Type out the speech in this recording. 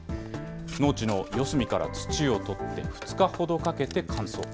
農地の四隅から土をとって、２日ほどかけて乾燥。